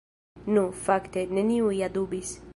Nu, fakte, neniu ja dubis.